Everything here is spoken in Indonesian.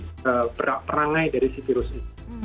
ini kita perangai dari si virus ini